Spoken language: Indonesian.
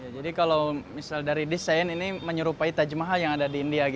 jadi kalau misalnya dari desain ini menyerupai taj mahal yang ada di india